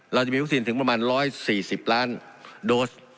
เราจะมีวัคซีนถึงประมาณร้อยสี่สิบล้านโดส